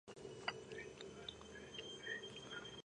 ამ ალბომით ჯგუფის შემადგენლობაში მოხდა ცვლილება.